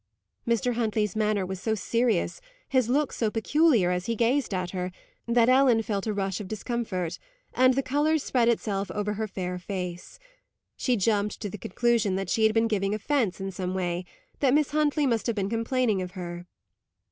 Mr. Huntley's manner was so serious, his look so peculiar as he gazed at her, that Ellen felt a rush of discomfort, and the colour spread itself over her fair face. She jumped to the conclusion that she had been giving offence in some way that Miss Huntley must have been complaining of her.